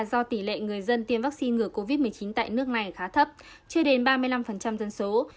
do tỷ lệ người dân tiêm vaccine ngừa covid một mươi chín tại nước này khá thấp chưa đến ba mươi năm dân số